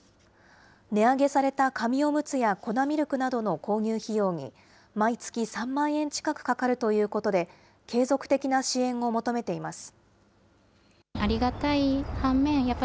値上げされた紙おむつや粉ミルクなどの購入費用に、毎月３万円近くかかるということで、継続的な支援を求めています。